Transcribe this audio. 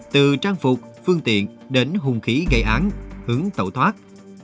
từ trang phục phương tiện đến hùng khí gây án hướng tẩu thoát